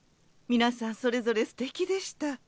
皆さんそれぞれすてきでした。